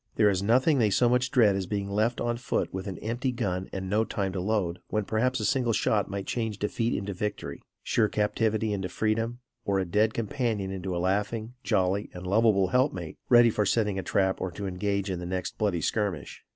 There is nothing they so much dread as being left on foot with an empty gun and no time to load, when perhaps a single shot might change defeat into victory; sure captivity into freedom, or a dead companion into a laughing, jolly and lovable help mate, ready for setting a trap or to engage in the next bloody skirmish.